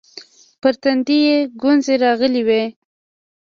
پر تندي يې گونځې راغلې وې.